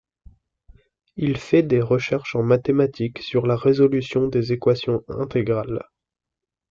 Il fait des recherches en mathématiques sur la résolution des équations intégrales.